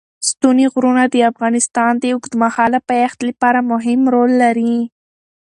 ستوني غرونه د افغانستان د اوږدمهاله پایښت لپاره مهم رول لري.